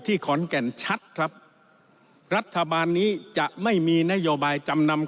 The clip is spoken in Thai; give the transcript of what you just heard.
ขอนแก่นชัดครับรัฐบาลนี้จะไม่มีนโยบายจำนำ